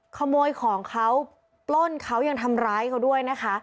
ขโมยของเขาปล้นเขายังทำร้ายเขาด้วยนะคะ